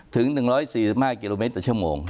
ถึง๑๔๕กิโลเมตรต่อชั่วโมง